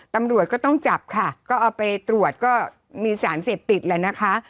ตำรวจก็ต้องจับค่ะก็เอาไปตรวจก็มีสารเสพติดแล้วนะคะ